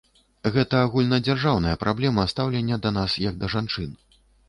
Гэта агульнадзяржаўная праблема стаўлення да нас як да жанчын.